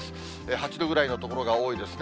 ８度ぐらいの所が多いですね。